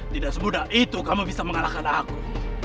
tidak semudah itu kamu bisa mengalahkan aku